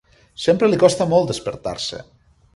Sempre li costa molt despertar-se.